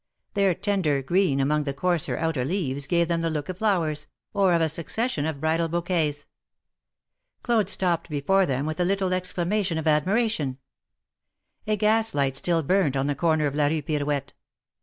Their tender green among the coarser outer leaves gave them the look of flowers, or of a succession of bridal bouquets. Claude stopped before them with a little exclamation of admiration. A gas light still burned on the corner of la Rue Pirouette.